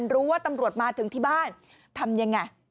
รู้ว่าตำรวจมาถึงที่บ้านทำยังไง